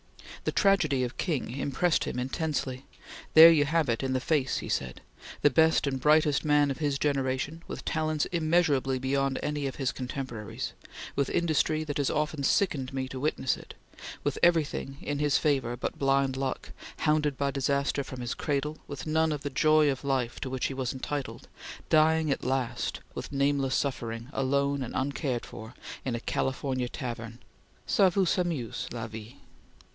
The tragedy of King impressed him intensely: "There you have it in the face!" he said "the best and brightest man of his generation, with talents immeasurably beyond any of his contemporaries; with industry that has often sickened me to witness it; with everything in his favor but blind luck; hounded by disaster from his cradle, with none of the joy of life to which he was entitled, dying at last, with nameless suffering alone and uncared for, in a California tavern. Ca vous amuse, la vie?"